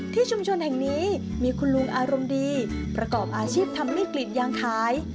ชุมชนแห่งนี้มีคุณลุงอารมณ์ดีประกอบอาชีพทำมีดกรีดยางขาย